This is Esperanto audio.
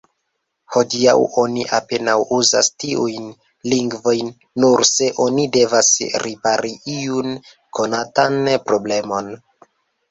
Hodiaŭ oni apenaŭ uzas tiujn lingvojn, nur se oni devas ripari iun konatan problemon.